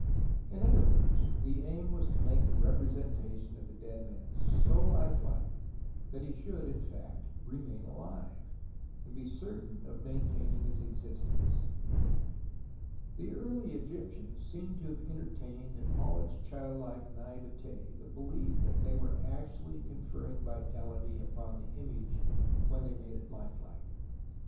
In other words, the aim was to make the representation of the dead man so life like that he should, in fact, remain alive, and be certain of maintaining his existence. 54 TUTANKHAMEN The early Egyptians seem to have entertained in all its childHke naivete the belief that they were actually conferring vitality upon the image when they made it life like.